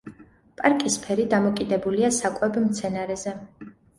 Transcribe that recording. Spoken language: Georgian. პარკის ფერი დამოკიდებულია საკვებ მცენარეზე.